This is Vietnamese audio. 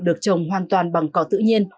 được trồng hoàn toàn bằng cỏ tự nhiên